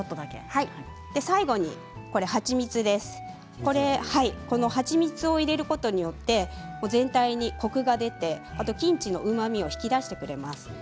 最後に蜂蜜を入れることによって全体にコクが出てキムチのうまみを引き出してくれます。